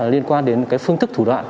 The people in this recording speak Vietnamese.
liên quan đến phương thức thủ đoạn